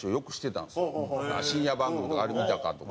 深夜番組のあれ見たか？とか。